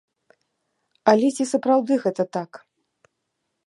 Але ці сапраўды гэта так?